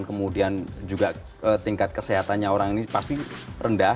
kemudian juga tingkat kesehatannya orang ini pasti rendah